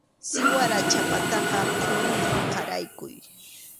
Siwara chhapataqa quwiman qaraykuy.